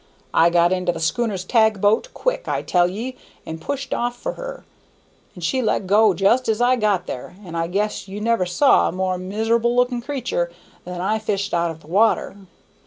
I got into the schooner's tag boat quick, I tell ye, and pushed off for her, 'n' she let go just as I got there, 'n' I guess you never saw a more miser'ble looking creatur' than I fished out of the water.